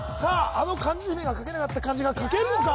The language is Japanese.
あの漢字姫が書けなかった漢字が書けるのか？